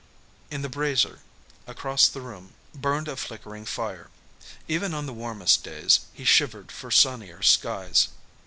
In the brasier, across the room, burned a flickering fire. Even on the warmest days he shivered for sunnier skies.